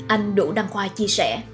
anh đỗ đăng khoa chia sẻ